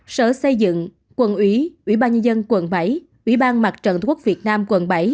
sở xây dựng quận ủy ủy ban nhân dân quận bảy ủy ban mặt trận tổ quốc việt nam quận bảy